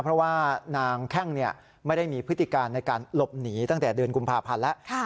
เพราะว่านางแข้งไม่ได้มีพฤติการในการหลบหนีตั้งแต่เดือนกุมภาพันธ์แล้ว